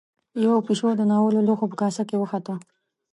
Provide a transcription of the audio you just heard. يوه پيشو د ناولو لوښو په کاسه کې وخته.